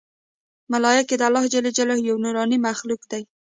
ملایکې د الله ج یو نورانې مخلوق دی